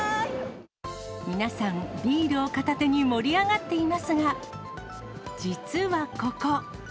皆さん、ビールを片手に盛り上がっていますが、実はここ。